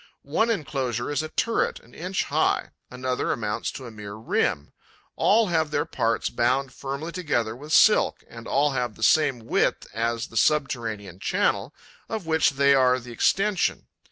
One enclosure is a turret an inch high; another amounts to a mere rim. All have their parts bound firmly together with silk; and all have the same width as the subterranean channel, of which they are the extension.